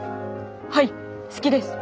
はい好きです。